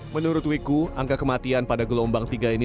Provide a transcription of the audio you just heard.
menurut wiku angka kematian pada gelombang tiga ini